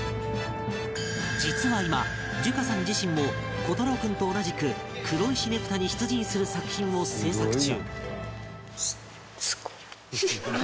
実は今寿華さん自身も虎太朗君と同じく黒石ねぷたに出陣する作品を制作中